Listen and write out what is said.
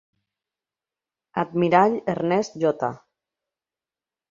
Admirall Ernest J.